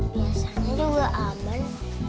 biasanya juga aman